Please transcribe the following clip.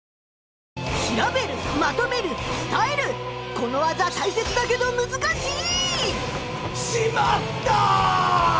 この技大切だけどむずかしい！